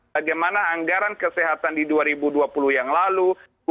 bagaimana anggaran kesehatan di dua ribu dua puluh yang lalu